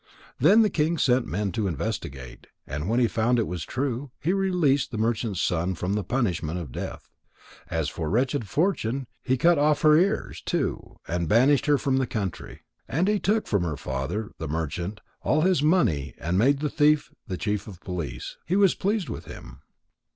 Then the king sent men to investigate, and when he found it was true, he released the merchant's son from the punishment of death. As for wretched Fortune, he cut off her ears, too, and banished her from the country. And he took from her father, the merchant, all his money, and made the thief the chief of police. He was pleased with him.